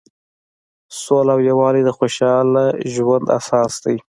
سوله او یووالی د خوشحاله ژوند اساس دی.